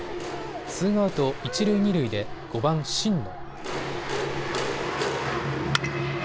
ツーアウト一塁二塁で５番・新野。